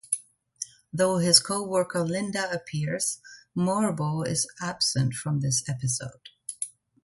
Though his coworker Linda appears, Morbo is absent from this episode.